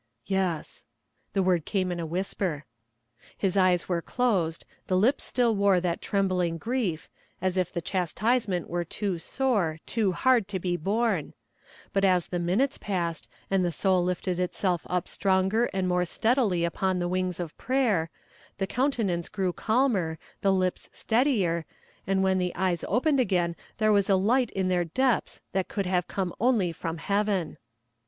'Yes.' The word came in a whisper. His eyes were closed; the lips still wore that trembling grief, as if the chastisement were too sore, too hard to be borne; but as the minutes passed, and the soul lifted itself up stronger and more steadily upon the wings of prayer, the countenance grew calmer, the lips steadier, and when the eyes opened again there was a light in their depths that could have come only from heaven.